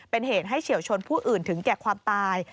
เป็นเหตุให้เฉียวชนผู้อื่นถึงแก่ความตาย